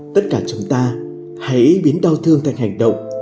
tất cả chúng ta hãy biến đau thương thành hành động